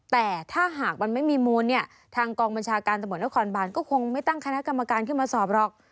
แต่ถ้าหากมันไม่มีมูลเนี่ยทางกองบัญชาการตำรวจนครบานก็คงไม่ตั้งคณะกรรมการขึ้นมาสอบหรอก